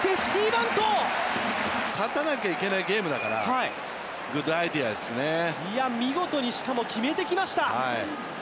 バント勝たなきゃいけないゲームだからはいグッドアイデアですねいや見事にしかも決めてきました